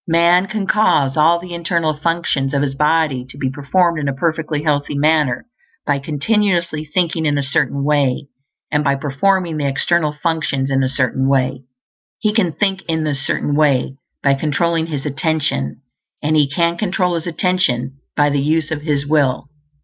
Man can cause all the internal functions of his body to be performed in a perfectly healthy manner by continuously thinking in a Certain Way, and by performing the external functions in a certain way. He can think in this Certain Way by controlling his attention, and he can control his attention by the use of his will.